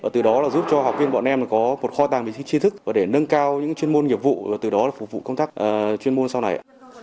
từ đó là giúp cho học viên bọn em có một kho tàng về chi thức để nâng cao những chuyên môn nghiệp vụ từ đó là phục vụ công tác chuyên môn sau này